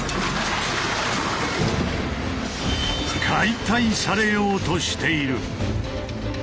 解体されようとしている。